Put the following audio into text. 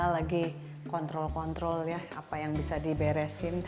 lagi kontrol kontrol ya apa yang bisa diberesin